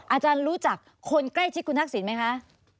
อาจารย์รู้จักคนใกล้ชิดคุณทักษิณไหมคะ